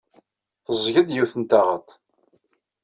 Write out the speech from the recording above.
Teẓẓeg-d yiwet n taɣaḍt.